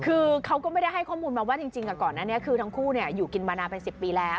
คือเขาก็ไม่ได้ให้ข้อมูลมาว่าจริงจริงกับก่อนนั้นเนี้ยคือทั้งคู่เนี้ยอยู่กินมานานเป็นสิบปีแล้ว